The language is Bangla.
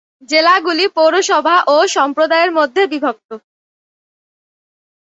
জেলাগুলি পৌরসভা ও সম্প্রদায়ের মধ্যে বিভক্ত।